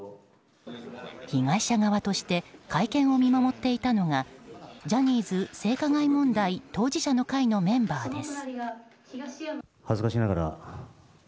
被害者側として会見を見守っていたのがジャニーズ性加害問題当事者の会のメンバーです。